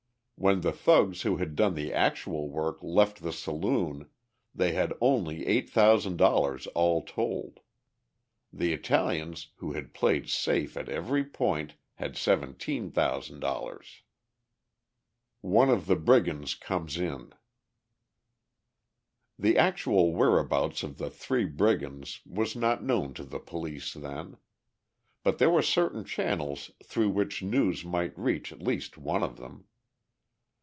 When the thugs who had done the actual work left the saloon, they had only $8,000 all told. The Italians, who had "played safe" at every point, had $17,000. [Illustration: "The Brigands" "Stick up" the Hold up Men for Theirs] One of the Brigands Comes In The actual whereabouts of the "Three Brigands" was not known to the police then. But there were certain channels through which news might reach at least one of them.